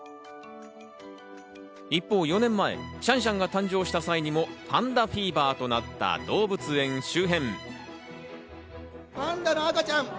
一方、４年前シャンシャンが誕生した際にもパンダフィーバーとなった動物園周辺。